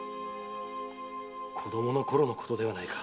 子供のころのことではないか。